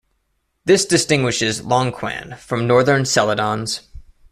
This distinguishes Longquan from Northern Celadons.